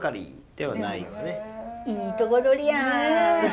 いいとこ取りやん。